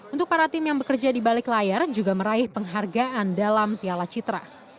untuk para tim yang bekerja di balik layar juga meraih penghargaan dalam piala citra